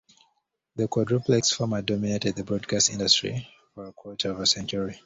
The Quadruplex format dominated the broadcast industry for a quarter of a century.